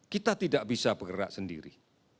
kita tidak bisa bergerak sendiri